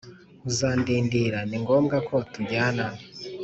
Uzandindira ni ngombwa ko tujyana